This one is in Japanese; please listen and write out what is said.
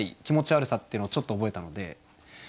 気持ち悪さっていうのをちょっと覚えたので。